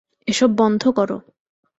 এসব বন্ধ করো।